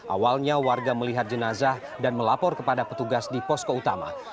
awalnya warga melihat jenazah dan melapor kepada petugas di posko utama